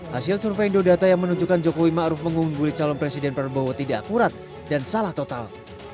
hasil survei indodata yang menunjukkan jokowi ⁇ maruf ⁇ mengungguli calon presiden prabowo tidak akurat dan salah total